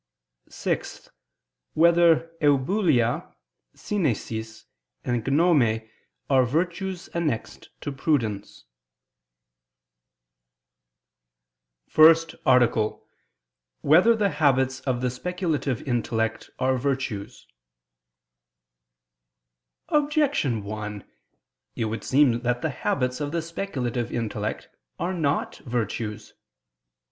(6) Whether "eubulia," "synesis" and "gnome" are virtues annexed to prudence? ________________________ FIRST ARTICLE [I II, Q. 57, Art. 1] Whether the Habits of the Speculative Intellect Are Virtues? Objection 1: It would seem that the habits of the speculative intellect are not virtues.